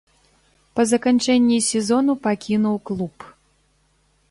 Па заканчэнні сезону пакінуў клуб.